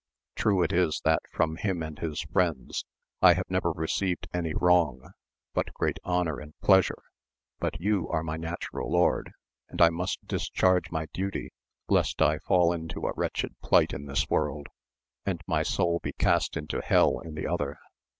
True it is that from him and his friends I have never received any wrong, but great honour and pleasure ; but you are my natural lord, and I must discharge my duty lest I fall into a wretched plight in this world, and my soul be cast into hell in the other.